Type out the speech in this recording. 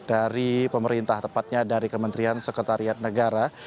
dari pemerintah tepatnya dari kementerian sekretariat negara